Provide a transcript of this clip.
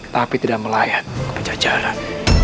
tapi tidak melayat ke pencajaran